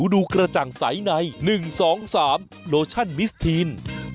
ดูกระจ่างใสใน๑๒๓โลชั่นมิสทีน